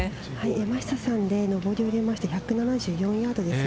山下さんで上りを入れて１７４ヤードです。